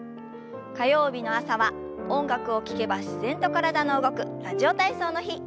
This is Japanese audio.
火曜日の朝は音楽を聞けば自然と体の動く「ラジオ体操」の日。